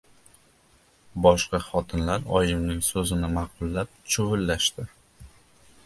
Boshqa xotinlar oyimning so‘zini ma’qullab chuvillashdi: